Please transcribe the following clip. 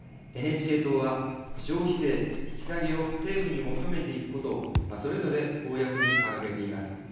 ＮＨＫ党は消費税引き下げを政府に求めていくことをそれぞれ公約に掲げています。